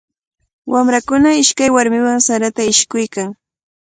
Wamrakuna ishkay warmiwan sarata ishkuykan.